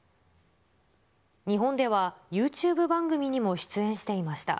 日本ではユーチューブ番組にも出演していました。